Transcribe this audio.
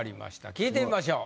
聞いてみましょう。